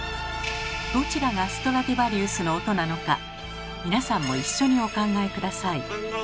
どちらがストラディヴァリウスの音なのか皆さんも一緒にお考えください。